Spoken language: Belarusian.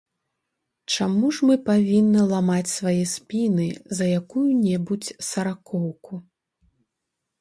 Чаму ж мы павінны ламаць свае спіны за якую-небудзь саракоўку?